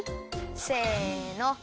せの。